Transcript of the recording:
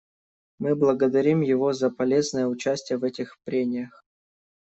Мы благодарим его за полезное участие в этих прениях.